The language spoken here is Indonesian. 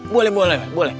boleh boleh boleh